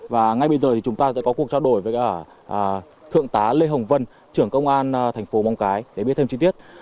và ngay bây giờ thì chúng ta sẽ có cuộc trao đổi với thượng tá lê hồng vân trưởng công an thành phố mong cái để biết thêm chi tiết